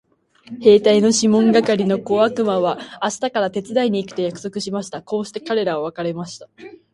兵隊のシモン係の小悪魔は明日から手伝いに行くと約束しました。こうして彼等は別れました。